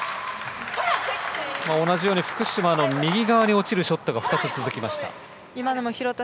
同じように福島の右側に落ちるショットが２つ、続きました。